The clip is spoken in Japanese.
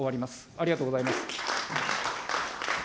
ありがとうございます。